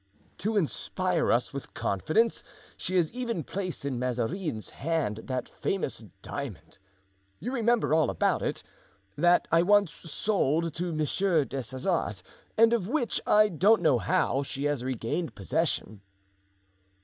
"To inspire us with confidence she has even placed in Mazarin's hands that famous diamond—you remember all about it—that I once sold to Monsieur des Essarts and of which, I don't know how, she has regained possession."